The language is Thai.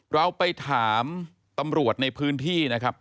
เราไปถามตำรวจในพื้นที่นะครับ